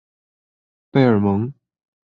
贝尔蒙。